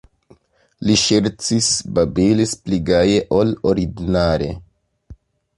Li ŝercis, babilis pli gaje ol ordinare.